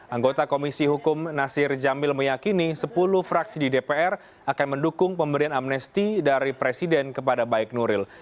anggota komisi hukum nasir jamil meyakini sepuluh fraksi di dpr akan mendukung pemberian amnesti dari presiden kepada baik nuril